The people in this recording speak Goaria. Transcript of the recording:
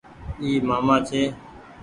اي مآمآ ڇي ۔